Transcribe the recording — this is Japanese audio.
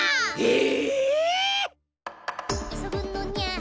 え！？